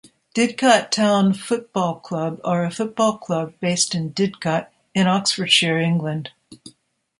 Didcot Town Football Club are a football club based in Didcot in Oxfordshire, England.